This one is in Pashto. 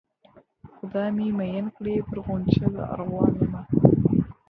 خدای مي مین کړی پر غونچه د ارغوان یمه